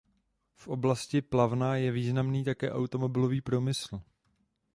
V oblasti Plavna je významný také automobilový průmysl.